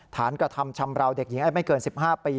กระทำชำราวเด็กหญิงอายุไม่เกิน๑๕ปี